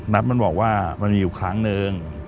นัทมันบอกว่ามันอยู่อีกครั้งนึง